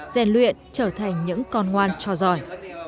giàn luyện trở thành những con ngoan cho giỏi